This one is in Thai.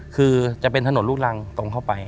คือจะเป็นถนนลูกรังตรงเข้าไป